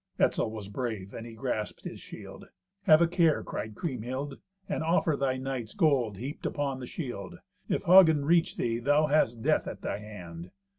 Etzel was brave, and he grasped his shield. "Have a care," cried Kriemhild, "and offer thy knights gold heaped upon the shield. If Hagen reach thee, thou hast death at thy hand."